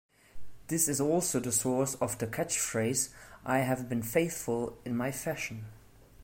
This is also the source of the catchphrase 'I have been faithful..in my fashion'.